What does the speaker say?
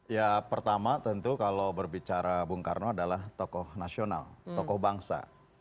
ya pertama tentu kalau berbicara bung karno adalah tokoh nasional tokoh bangsa